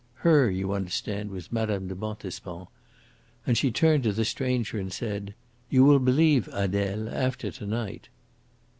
Her, you understand, was Mme. de Montespan." And she turned to the stranger and said, "You will believe, Adele, after to night."